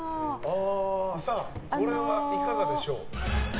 これはいかがでしょう？